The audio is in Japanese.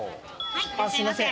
すみません。